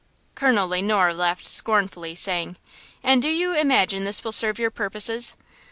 Colonel Le Noir laughed scornfully, saying: "And do you imagine this will serve your purposes?